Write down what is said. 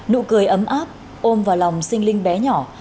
nụ cười ấm áp ôm vào lòng sinh linh bé nhỏ